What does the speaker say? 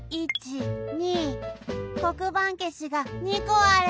１２こくばんけしが２こある！